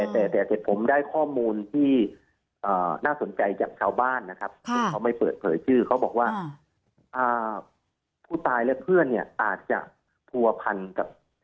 แต่ผมได้ข้อมูลที่น่าสนใจจากชาวบ้านนะครับ